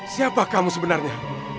siapa kamu sebenarnya